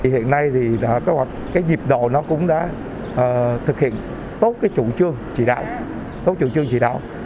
hiện nay thì có một cái dịp độ nó cũng đã thực hiện tốt cái chủ trương chỉ đạo tốt chủ trương chỉ đạo